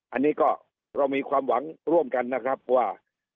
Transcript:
อันนี้ก็เรามีความหวังร่วมกันนะครับว่า